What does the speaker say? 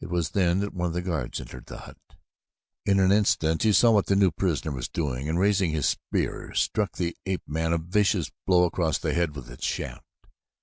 It was then that one of the guards entered the hut. In an instant he saw what the new prisoner was doing and raising his spear, struck the ape man a vicious blow across the head with its shaft.